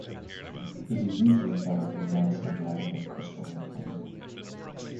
It is usually found in massive rather than crystalline form.